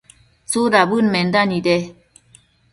¿tsudabëd menda nide ?